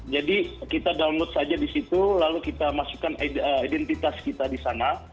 jadi kita download saja di situ lalu kita masukkan identitas kita di sana